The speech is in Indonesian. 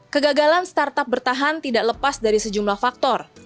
kegagalan startup bertahan tidak lepas dari sejumlah faktor